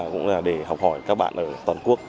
cũng là để học hỏi các bạn ở toàn quốc